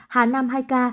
hà nam hai ca